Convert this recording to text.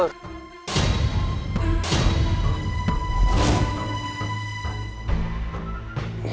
reva ibu kandung